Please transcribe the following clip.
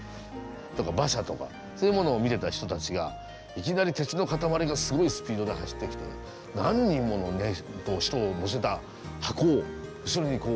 馬車とかそういうものを見てた人たちがいきなり鉄の塊がすごいスピードで走ってきて何人ものね人を乗せた箱を後ろにこう引き連れている。